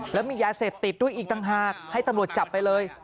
แล้วมียาเสพติดด้วยอีกต่างหากให้ตำรวจจับไปเลย